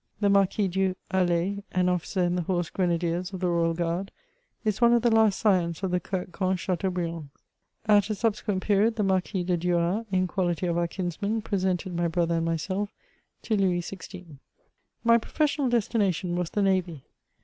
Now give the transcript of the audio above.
The Marquis du Hallay, an officer in the Horse Grenadiers of the Royal Guard, is one of the last scions of the Coetquen Chateau briands. At a subsequent period, the Marquis de Duras, in quality of our kinsman, presented my brother and myself to Louis XVI. My professional destination was the navy.